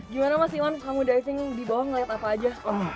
gimana mas iwan kamu diving di bawah ngelihat apa aja